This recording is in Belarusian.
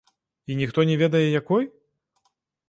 І ніхто не ведае, якой?